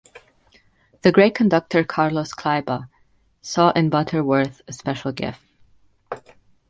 The great conductor Carlos Kleiber saw in Butterworth a special gift.